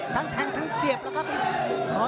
ทั้งแทงทั้งเสียบแล้วครับ